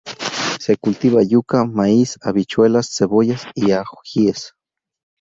Se cultiva yuca, maíz, habichuelas, cebollas, y ajíes.